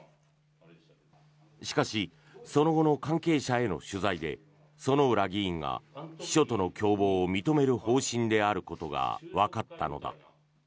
しかしその後の関係者への取材で薗浦議員が秘書との共謀を認める方針であることがわかったのだ。